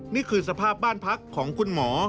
นี่คือสภาพบ้านพักของคุณหมอ